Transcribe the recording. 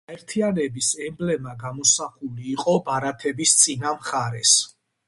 გაერთიანების ემბლემა გამოსახული იყო ბარათების წინა მხარეს.